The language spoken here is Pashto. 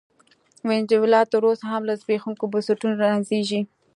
وینزویلا تر اوسه هم له زبېښونکو بنسټونو رنځېږي.